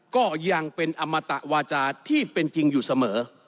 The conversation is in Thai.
ก็ยังเป็นอมตะวาจาที่เป็นจริงอยู่เสมอ